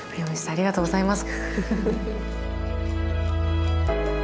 ありがとうございます。